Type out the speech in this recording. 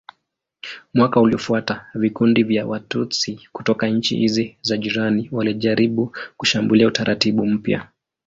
Mwaka uliofuata vikundi vya Watutsi kutoka nchi hizi za jirani walijaribu kushambulia utaratibu mpya.